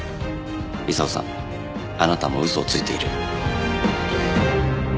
功さんあなたも嘘をついている。